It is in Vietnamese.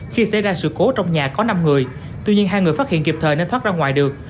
khi xảy ra sự cố trong nhà có năm người tuy nhiên hai người phát hiện kịp thời nên thoát ra ngoài được